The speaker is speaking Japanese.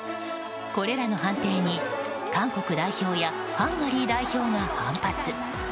これらの判定に韓国代表やハンガリー代表が反発。